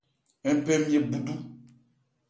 Ń phɛn ńmye búdú.